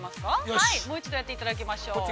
はい、もう一度やっていただきましょう。